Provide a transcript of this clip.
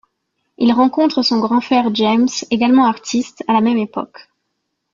Il rencontre son grand-frère James, également artiste, à la même époque.